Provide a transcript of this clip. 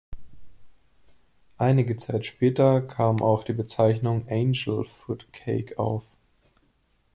Einige Zeit später kam auch die Bezeichnung Angel Food Cake auf.